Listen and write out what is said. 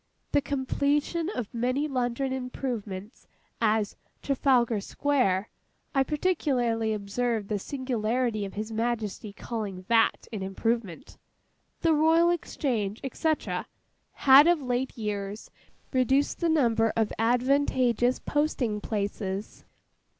The completion of many London improvements, as Trafalgar Square (I particularly observed the singularity of His Majesty's calling that an improvement), the Royal Exchange, &c., had of late years reduced the number of advantageous posting places.